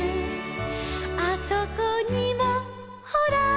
「あそこにもほら」